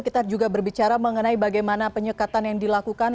kita juga berbicara mengenai bagaimana penyekatan yang dilakukan